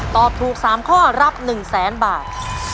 ตอบถูก๓ข้อรับ๑แสนบาท